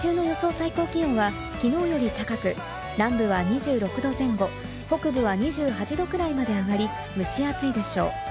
最高気温はきのうより高く、南部は２６度前後、北部は２８度くらいまで上がり、蒸し暑いでしょう。